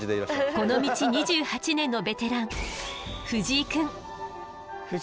この道２８年のベテラン藤井くん。